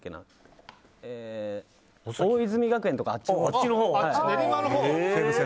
大泉学園とかあっちのほうです。